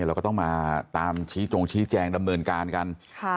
เราก็ต้องมาตามชี้จงชี้แจงดำเนินการกัน